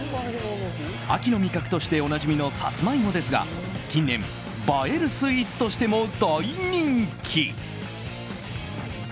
秋の味覚としておなじみのサツマイモですが近年、映えるスイーツとしても大人気。